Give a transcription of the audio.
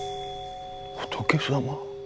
仏様？